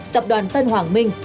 tập đoàn tân hoàng minh